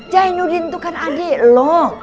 jainuddin itu kan adik loh